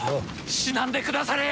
死なんでくだされや！